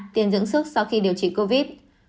ba tiền dưỡng sức sau khi điều trị covid